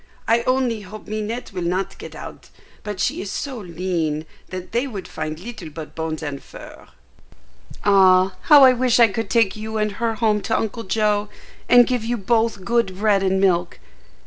I only hope Minette will not get out, but she is so lean that they would find little but bones and fur." "Ah, how I wish I could take you and her home to Uncle Joe, and give you both good bread and milk!